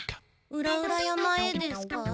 裏々山へですか？